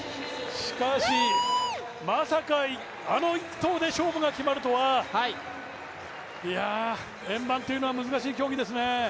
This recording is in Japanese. しかし、まさかあの１投で勝負が決まるとは円盤というのは難しい競技ですね。